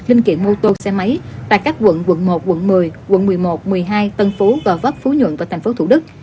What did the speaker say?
linh kiện mô tô xe máy tại các quận một một mươi một mươi một một mươi hai tân phú gò vấp phú nhuận và tp thủ đức